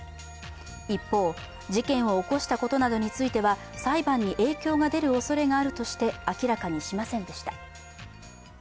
一方、事件を起こしたことなどについては、裁判に影響が出るおそれがあるとして明らかにしませんでした。